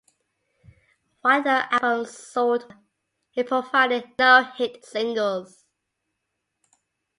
While the album sold well, it provided no hit singles.